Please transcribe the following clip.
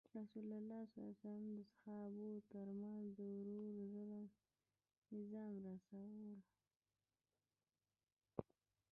رسول الله د صحابه وو تر منځ د ورورولۍ نظام رامنځته کړ.